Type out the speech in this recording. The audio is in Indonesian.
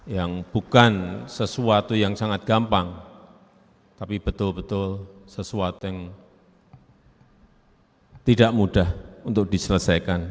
yang bukan sesuatu yang sangat gampang tapi betul betul sesuatu yang tidak mudah untuk diselesaikan